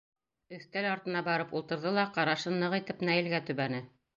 Өҫтәл артына барып ултырҙы ла ҡарашын ныҡ итеп Наилгә төбәне.